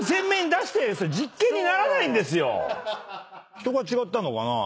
人が違ったのかな？